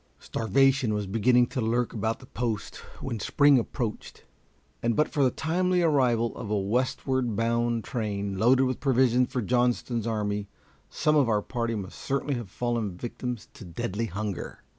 Starvation was beginning to lurk about the post when spring approached, and but for the timely arrival of a westward bound train loaded with provisions for Johnston's army, some of our party must certainly have fallen victims to deadly hunger.